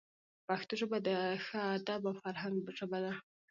پښتو ژبه د ښه ادب او فرهنګ ژبه ده.